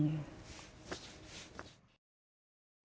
อืม